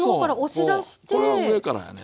これは上からやね。